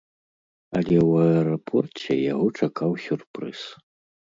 Але ў аэрапорце яго чакаў сюрпрыз.